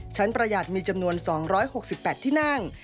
ประหยัดมีจำนวน๒๖๘ที่นั่ง